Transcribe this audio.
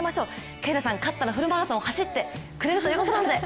啓太さん、勝ったらフルマラソンを走ってくれるということなんで。